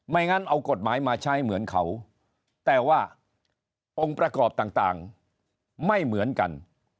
งั้นเอากฎหมายมาใช้เหมือนเขาแต่ว่าองค์ประกอบต่างไม่เหมือนกัน